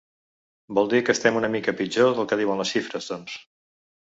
Vol dir que estem una mica pitjor del que diuen les xifres, doncs.